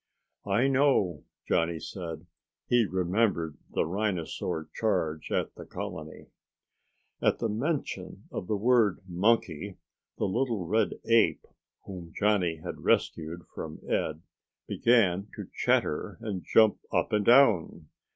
"I know," Johnny said. He remembered the rhinosaur charge at the colony. At the mention of the word "monkey," the little red ape whom Johnny had rescued from Ed began to chatter and jump up and down.